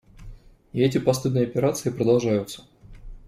И эти постыдные операции продолжаются.